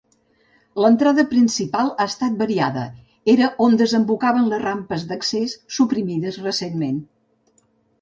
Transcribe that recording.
L'entrada principal ha estat variada: era on desembocaven les rampes d'accés suprimides recentment.